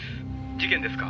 事件ですか？